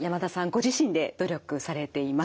ご自身で努力されています。